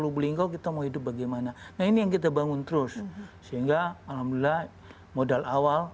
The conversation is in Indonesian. probolinggo kita mau hidup bagaimana nah ini yang kita bangun terus sehingga alhamdulillah modal awal